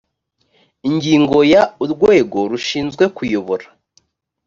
ingingo ya urwego rushinzwe kuyobora